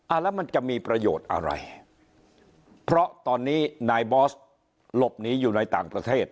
แล้วมันจะมีประโยชน์อะไรเพราะตอนนี้นายบอสหลบหนีอยู่ในต่างประเทศ